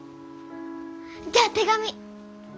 じゃあ手紙！